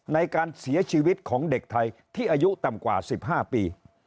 ในการเสียชีวิตของเด็กไทยที่อายุต่ำกว่า๑๕ปี